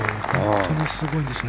本当にすごいんですね。